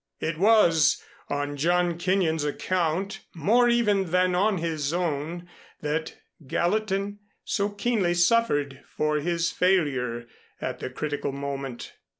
It was on John Kenyon's account, more even than on his own, that Gallatin so keenly suffered for his failure at the critical moment.